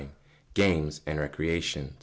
_GAMES AND RECREATIONS.